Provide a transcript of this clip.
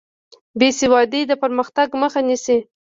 بې سوادي د پرمختګ مخه نیسي.